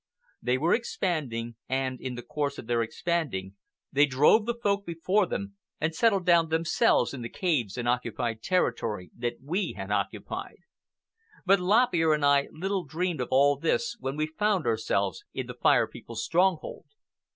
They were expanding, and in the course of their expanding they drove the Folk before them, and settled down themselves in the caves and occupied the territory that we had occupied. But Lop Ear and I little dreamed of all this when we found ourselves in the Fire People's stronghold.